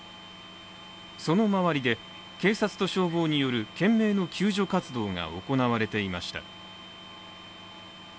その周りで、警察と消防による懸命の救助活動が行われていました。